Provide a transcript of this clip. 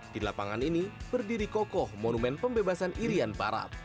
di lapangan ini berdiri kokoh monumen pembebasan irian barat